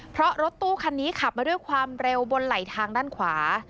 เพราะรถตู้คันนี้ขับมาด้วยความเร็วบนไหลทางด้านขวา